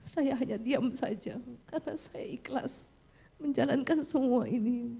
saya hanya diam saja karena saya ikhlas menjalankan semua ini